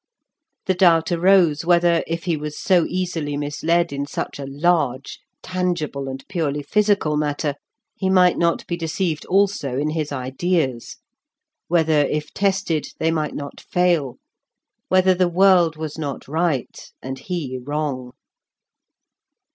The doubt arose whether, if he was so easily misled in such a large, tangible, and purely physical matter, he might not be deceived also in his ideas; whether, if tested, they might not fail; whether the world was not right and he wrong.